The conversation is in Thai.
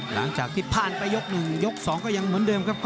หลังจากที่ผ่านไปยก๑ยก๒ก็ยังเหมือนเดิมครับ